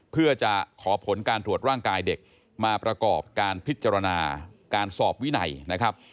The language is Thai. เพื่อจะขอผลการตรวจร่างกายเด็กมาประกอบการพิจารณาการสอบวินัยนะครับ